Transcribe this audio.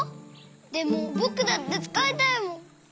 でもぼくだってつかいたいもん。